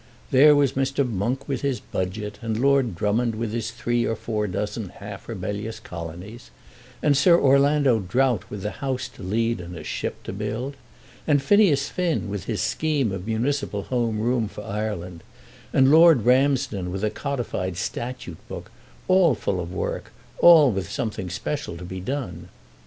There was Mr. Monk with his budget, and Lord Drummond with his three or four dozen half rebellious colonies, and Sir Orlando Drought with the House to lead and a ship to build, and Phineas Finn with his scheme of municipal Home Rule for Ireland, and Lord Ramsden with a codified Statute Book, all full of work, all with something special to be done.